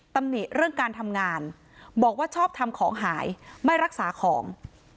ตำหนิเรื่องการทำงานบอกว่าชอบทำของหายไม่รักษาของ